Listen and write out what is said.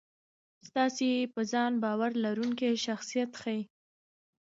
ستاسې په ځان باور لرونکی شخصیت ښي.